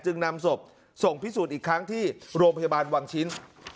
นำศพส่งพิสูจน์อีกครั้งที่โรงพยาบาลวังชิ้น